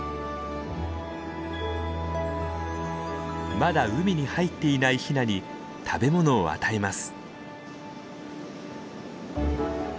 まだ海に入っていないヒナに食べ物を与えます。